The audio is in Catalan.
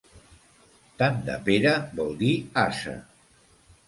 Tant de Pere vol dir ase.